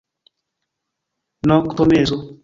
Noktomezo.